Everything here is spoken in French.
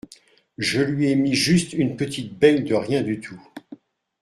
Je lui ai mis juste une petite beigne de rien du tout.